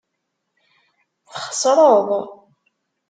Txeṣṛeḍ.